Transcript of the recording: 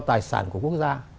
tài sản của quốc gia